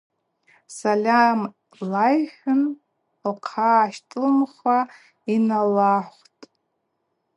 Сальам лайхын – лхъа гӏащтӏылымхуа йналахвтӏ.